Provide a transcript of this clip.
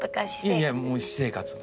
いやいや私生活で。